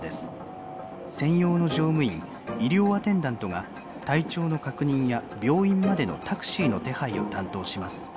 専用の乗務員「医療アテンダント」が体調の確認や病院までのタクシーの手配を担当します。